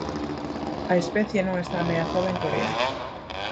A especie non está ameazada en Corea.